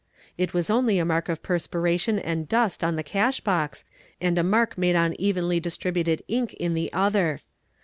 It was only a mark of perspiration and dust on the cash box, and a mark made on evenly distributed ink in the other.